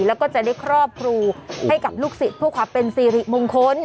แล้วก็จะได้ครอบครูให้กับลูกศิษย์เพื่อความเป็นสิริมงคล